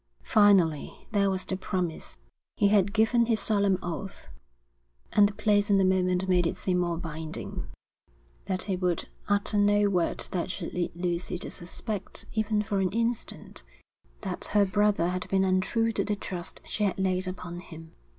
Finally there was the promise. He had given his solemn oath, and the place and the moment made it seem more binding, that he would utter no word that should lead Lucy to suspect even for an instant that her brother had been untrue to the trust she had laid upon him.